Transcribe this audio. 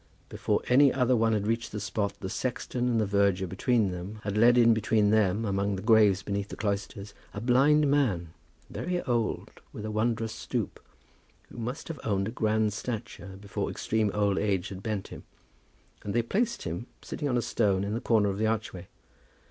Before any other one had reached the spot, the sexton and the verger between them had led in between them, among the graves beneath the cloisters, a blind man, very old, with a wondrous stoop, but who must have owned a grand stature before extreme old age had bent him, and they placed him sitting on a stone in the corner of the archway.